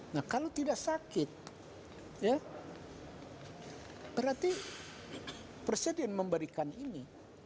nah kalau tidak sakit ya berarti presiden memberikan ini